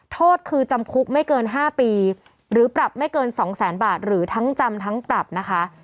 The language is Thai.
โทษคือจำคุกไม่เกิน๕ปีหรือปรับไม่เกินสองแสนบาทหรือทั้งจำทั้งปรับนะคะ